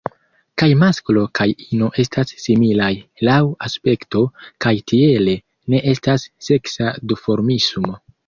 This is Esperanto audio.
Kaj masklo kaj ino estas similaj laŭ aspekto, kaj tiele ne estas seksa duformismo.